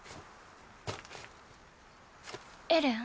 エレン？